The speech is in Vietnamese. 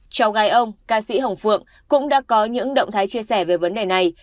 cháu gái ông ca sĩ hồng phượng cũng đã có những động thái chia sẻ về vấn đề này